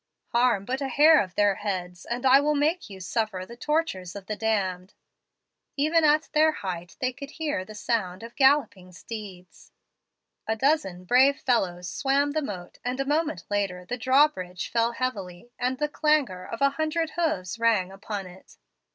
"' Harm but a hair of their heads, and I will make you suffer the tortures of the damned.' "Even at their height they could hear the sound of galloping steeds. "A dozen brave fellows swam the moat, and a moment later the draw bridge fell heavily, and the clangor of a hundred hoofs rang upon it.